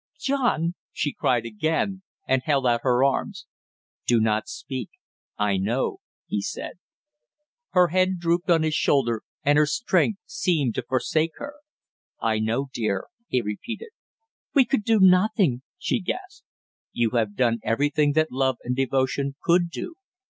"John " she cried again, and held out her arms. "Do not speak I know," he said. Her head drooped on his shoulder, and her strength seemed to forsake her. "I know, dear!" he repeated. "We could do nothing!" she gasped. "You have done everything that love and devotion could do!"